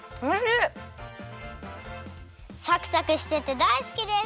サクサクしててだいすきです！